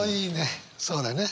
あいいね！